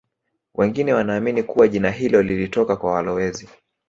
Wengine wanaamini kuwa jina hilo lilitoka kwa walowezi